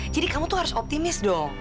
jadi kamu tuh harus optimis dong